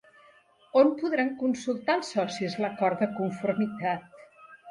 On podran consultar els socis l'acord de conformitat?